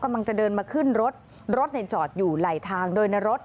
กำลังจะเดินมาขึ้นรถรถเนี่ยจอดอยู่ไหลทางโดยในรถ